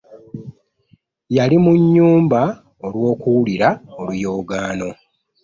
Yali mu nnyumba olw'okuwulira oluyogaano.